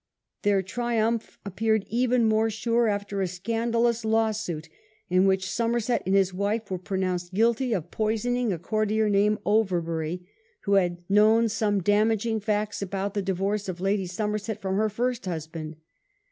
Their triumph appeared even more sure after a scandalous law suit, in which Somerset and his wife were pronounced guilty of poisoning a courtier named Overbury, who had known some damaging facts about the divorce of Lady Somerset from her first husband.